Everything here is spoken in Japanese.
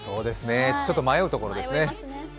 ちょっと迷うところですね。